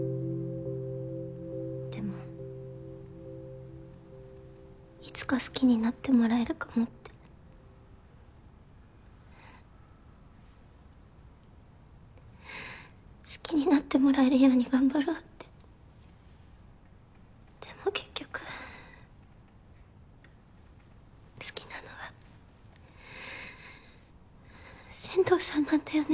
でもいつか好きになって好きになってもらえるように頑張ろうってでも結局好きなのは千堂さんなんだよね。